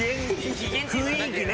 雰囲気ね。